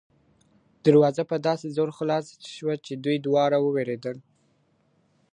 دروازه په داسې زور خلاصه شوه چې دوی دواړه ووېرېدل.